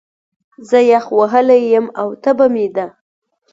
زه يخ وهلی يم، او تبه مې ده